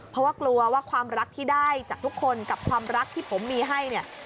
เพราะว่ากลัวว่าความรักที่ได้จากทุกคนกับความรักที่ผมมีให้เนี่ย